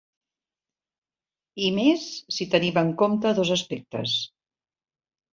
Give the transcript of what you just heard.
I més, si tenim en compte dos aspectes.